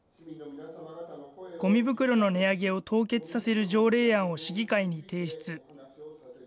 ごみ袋の値上げを凍結させる条例案を市議会に提出。